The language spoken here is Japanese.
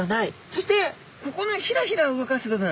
そしてここのひらひら動かす部分。